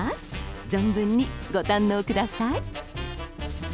存分にご堪能ください。